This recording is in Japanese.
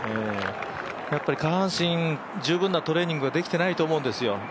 下半身、十分なトレーニングができてないと思うんですよ。